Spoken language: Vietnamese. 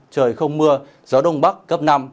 trời không mưa gió đông bắc cấp năm